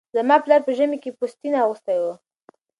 زما پلاره به ژمي کې پوستين اغوستی و